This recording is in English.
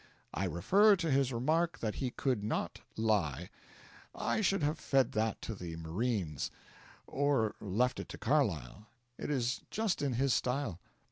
I refer to his remark that he 'could not lie.' I should have fed that to the marines; or left it to Carlyle; it is just in his style.